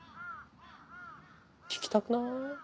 聞きたくない？